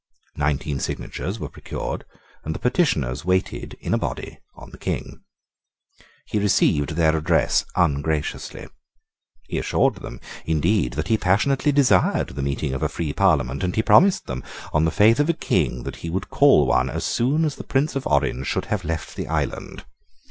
Nineteen signatures were procured; and the petitioners waited in a body on the King. He received their address ungraciously. He assured them, indeed, that he passionately desired the meeting of a free Parliament; and he promised them, on the faith of a King, that he would call one as soon as the Prince of Orange should have left the island.